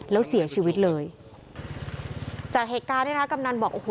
แล้วเสียชีวิตเลยจากเหตุการณ์เนี่ยนะคะกำนันบอกโอ้โห